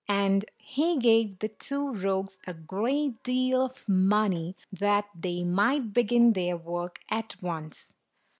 And he gave the two rogues a great deal of money, that they might begin their work at once.